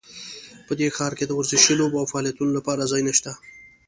په دې ښار کې د ورزشي لوبو او فعالیتونو لپاره ځایونه شته